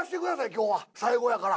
今日は最後やから。